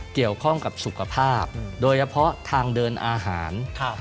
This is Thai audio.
เกี่ยวข้องกับสุขภาพโดยเฉพาะทางเดินอาหาร